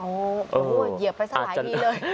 อ๋องูเหยียบไปสะหายที่เลย